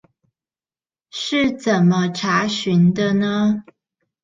是怎麼查詢的呢？